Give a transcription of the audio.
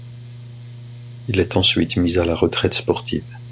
Il est ensuite mis à la retraite sportive.